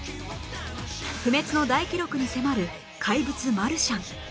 不滅の大記録に迫る怪物マルシャン